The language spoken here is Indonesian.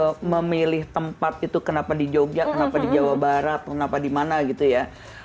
kalau memilih tempat itu kenapa di jogja kenapa di jawa barat kenapa di mana gitu ya